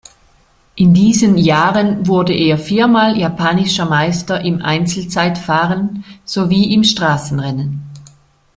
In diesen Jahren wurde er viermal japanischer Meister im Einzelzeitfahren sowie im Straßenrennen.